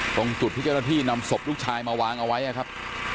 ตรงจุดที่เจ้าหน้าที่นำศพลูกชายมาวางเอาไว้นะครับ